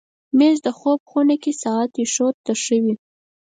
مېز د خوب خونه کې ساعت ایښودو ته ښه وي.